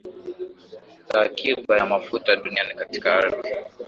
za akiba ya mafuta duniani katika ardhi